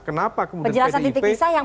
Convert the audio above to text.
kenapa kemudian pdip antara pak jokowi